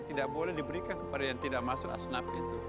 tidak boleh diberikan kepada yang tidak masuk asnab itu